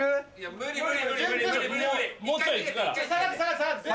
無理無理。